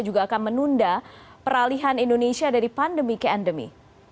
juga akan menunda peralihan indonesia dari pandemi ke endemi